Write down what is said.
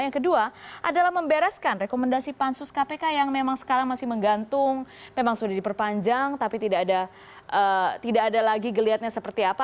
yang kedua adalah membereskan rekomendasi pansus kpk yang memang sekarang masih menggantung memang sudah diperpanjang tapi tidak ada lagi geliatnya seperti apa